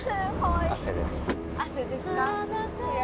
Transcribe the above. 汗ですか？